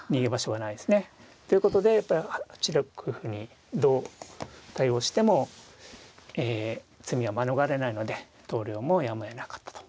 ていうことで８六歩にどう対応してもえ詰みは免れないので投了もやむをえなかったというところですね。